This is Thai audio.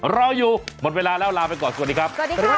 รออยู่หมดเวลาแล้วลาไปก่อนสวัสดีครับ